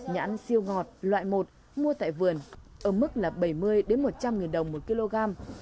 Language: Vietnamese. nhãn siêu ngọt loại một mua tại vườn ở mức là bảy mươi một trăm linh nghìn đồng một kg